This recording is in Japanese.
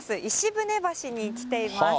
ぶね橋に来ています。